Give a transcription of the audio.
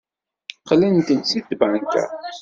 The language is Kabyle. Qqlent-d seg tbanka.